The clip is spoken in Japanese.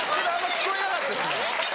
聞こえなかったです。